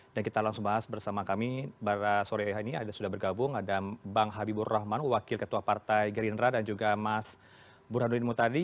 dan kita langsung bahas bersama kami pada sore hari ini ada sudah bergabung ada bang habibur rahman wakil ketua partai gerindra dan juga mas burhanuddin mutadi